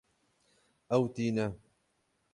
Ew tîne